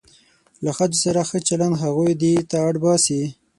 له ښځو سره ښه چلند هغوی دې ته اړ باسي.